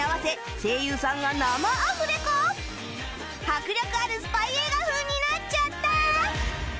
迫力あるスパイ映画風になっちゃった！